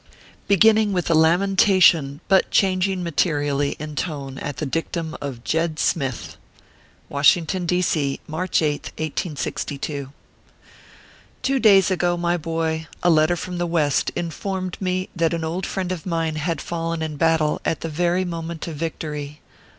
BEGINNING WITH A LAMENTATION, BUT CHANGING MATERIALLY IN TONE AT THE DICTUM OF JED SMITH. WASHINGTON, D. C., March Sth, 1862. Two days ago, my boy, a letter from the West informed me that an old friend of mine had fallen in battle at the very moment of victory.